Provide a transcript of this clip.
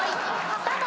スタート。